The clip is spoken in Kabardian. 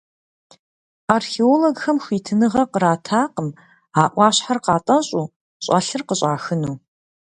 Археологхэм хуитыныгъэ къратакъым а Ӏуащхьэр къатӀэщӀу, щӀэлъыр къыщӀахыну.